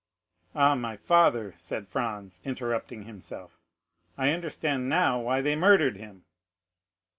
'" "Ah, my father!" said Franz, interrupting himself. "I understand now why they murdered him."